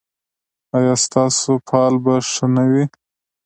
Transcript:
ایا ستاسو فال به ښه نه وي؟